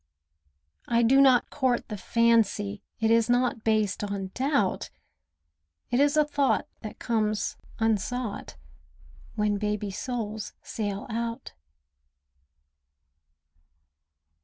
I do not court the fancy, It is not based on doubt, It is a thought that comes unsought When baby souls sail out.